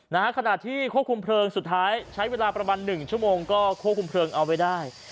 ขณะที่ควบคุมเพลิงสุดท้ายใช้เวลาประมาณหนึ่งชั่วโมงก็ควบคุมเพลิงเอาไว้ได้